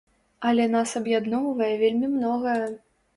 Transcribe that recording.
Але нас аб'ядноўвае вельмі многае.